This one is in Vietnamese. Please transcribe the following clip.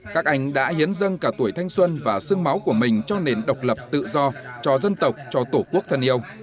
các anh đã hiến dân cả tuổi thanh xuân và sưng máu của mình cho nền độc lập tự do cho dân tộc cho tổ quốc thân yêu